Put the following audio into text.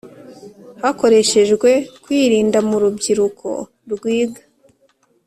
Hakoreshejwe kwirinda mu rubyiruko rwiga